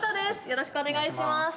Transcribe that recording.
よろしくお願いします